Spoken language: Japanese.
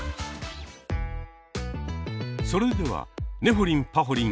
それでは「ねほりんぱほりん」